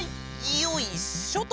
よいしょっと。